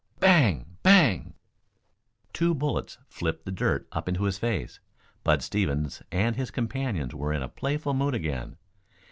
Bang! Bang! Two bullets flicked the dirt up into his face. Bud Stevens and his companions were in a playful mood again.